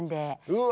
うわ。